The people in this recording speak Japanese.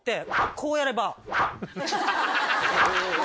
こうやれば。